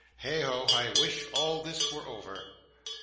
'Heigho! I wish all this were over.